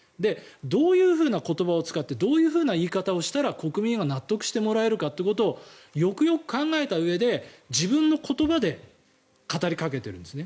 どういう言葉を使ってどういう言い方をしたら国民は納得してもらえるかをよくよく考えたうえで自分の言葉で語りかけているんですね。